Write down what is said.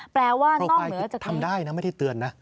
แปลว่านอกเหนือจากนี้โปรไฟล์ทำได้นะไม่ได้เตือนนะ